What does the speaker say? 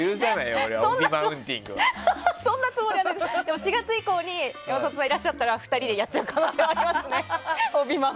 ４月以降に山里さんがいらっしゃったら２人でやっちゃう可能性はありますね。